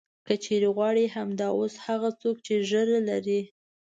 که چېرې غواړې همدا اوس هغه څوک چې ږیره لري.